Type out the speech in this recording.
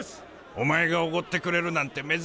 お前がおごってくれるなんて珍しいな。